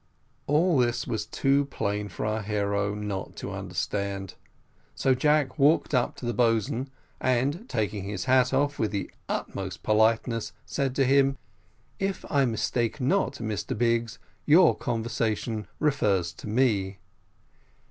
All this was too plain for our hero not to understand, so Jack walked up to the boatswain, and taking his hat off, with the utmost politeness, said to him: "If I mistake not, Mr Biggs, your conversation refers to me."